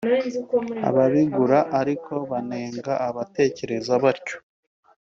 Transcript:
Ababigura ariko banenga abatekereza batyo